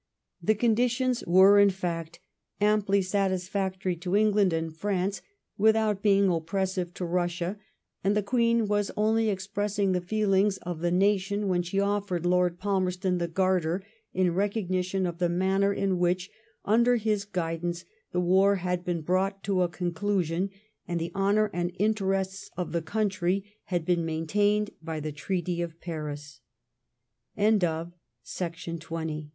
The conditions were, in fact, amply satisfactory to Eng land and France without being oppressive to Russia; and the Queen was only expressing the feelings of the nation when she offered Lord Palmerston the Garter in recognition of the manner in which, under his guidance, the war had been brought to a conclusion, and the honour and interests of the country had been maintained by the Treaty of